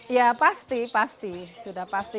ya pasti pasti sudah pasti